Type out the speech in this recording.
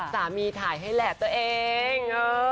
ถ่ายให้แหละตัวเอง